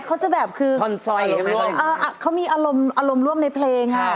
เขาจะแบบคืออารมณ์ร่วมในเพลงค่ะ